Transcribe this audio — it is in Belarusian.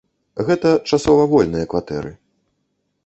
Гэта часова вольныя кватэры.